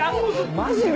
マジで⁉